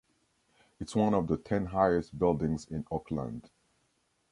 It’s one of the ten highest buildings in Auckland.